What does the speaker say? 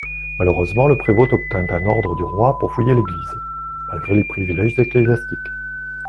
Malheureusement le prévôt obtint un ordre du roi pour fouiller l'église, malgré les priviléges ecclésiastiques.